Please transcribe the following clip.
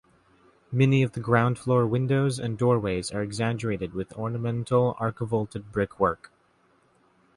Many of the ground floor windows and doorways are exaggerated with ornamental archivolted brickwork.